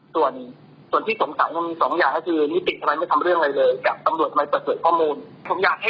แต่เราได้นิติคอนโดที่คุณภาพ